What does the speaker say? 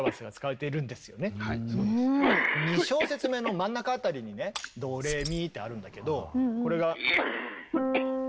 ２小節目の真ん中あたりにねドレミってあるんだけどこれが。